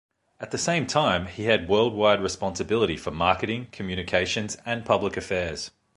At the same time, he had worldwide responsibility for marketing, communications and public affairs.